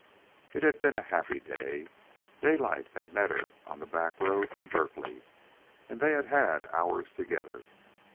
It had been a happy day. Daylight had met her on the back road from Berkeley, and they had had hours together.